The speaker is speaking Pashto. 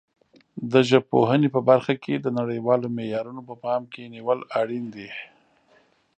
د ژبپوهنې په برخه کې د نړیوالو معیارونو په پام کې نیول اړین دي.